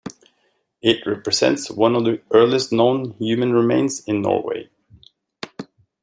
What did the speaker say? It represents one of the earliest known human remains in Norway.